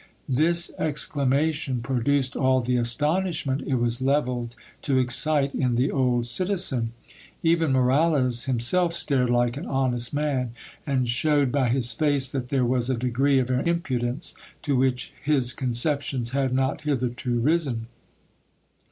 This exclamation produced all the astonishment it was levelled to excite in the old citizen. Even Moralez himself stared like an honest man, and shewed by his face that there was a degree of impudence to which his conceptions had not hitherto risen.